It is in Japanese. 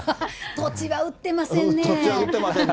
土地は売ってませんか。